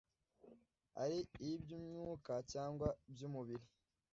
ari ay'iby'Umwuka cyangwa by'iby'umubiri.